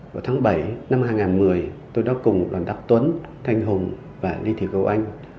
vào tháng bảy năm hai nghìn một mươi tôi đã cùng đoàn đáp tuấn thanh hùng và lê thị cầu anh